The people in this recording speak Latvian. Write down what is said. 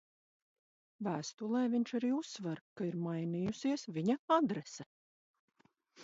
Vēstulē viņš arī uzsver, ka ir mainījusies viņa adrese.